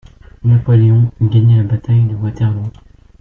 Napoléon eût gagné la bataille de Waterloo.